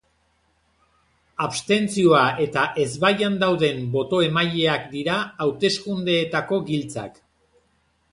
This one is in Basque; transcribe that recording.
Abstentzioa eta ezbaian dauden boto-emaileak dira hauteskundeetako giltzak.